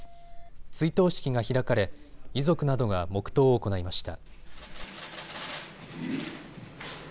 追悼式が開かれ、遺族などが黙とうを行いました。